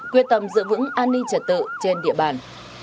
quyết tâm giữ vững an ninh trật tự trên địa bàn